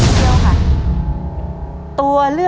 ต้นไม้ประจำจังหวัดระยองการครับ